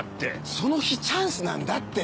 その日チャンスなんだって！